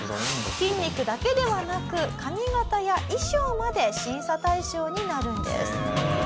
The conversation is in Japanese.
「筋肉だけではなく髪形や衣装まで審査対象になるんです」